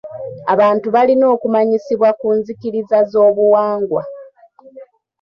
Abantu balina okumanyisibwa ku nzikiriza z'obuwangwa.